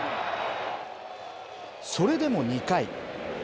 それでも２回。